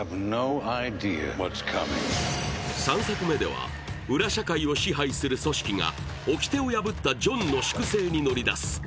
３作目では、裏社会を支配する組織が掟を破ったジョンの粛清に乗り出す。